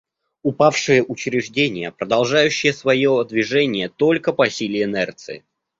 Упавшее учреждение, продолжающее свое движение только по силе инерции.